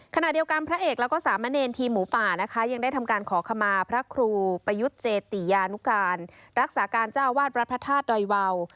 ขณะเดียวกันพระเอกแล้วก็สามเณรทีมหมูป่านะคะยังได้ทำการขอขมาพระครูประยุทธ์เจติยานุการรักษาการเจ้าวาดวัดพระธาตุดอยวาว